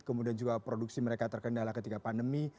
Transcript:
kemudian juga produksi mereka terkendala ketika pandemi